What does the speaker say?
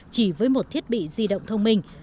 chỉ với một thiết bị di động thông minh